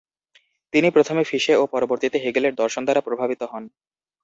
তিনি প্রথমে ফিশে ও পরবর্তীতে হেগেলের দর্শন দ্বারা প্রভাবিত হন।